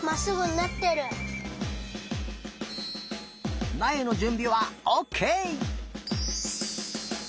なえのじゅんびはオッケー！